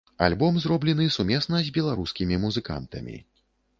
Альбом зроблены сумесна з беларускімі музыкантамі.